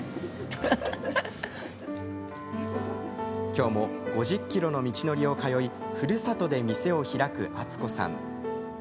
きょうも５０ｋｍの道のりを通いふるさとで店を開く敦子さん。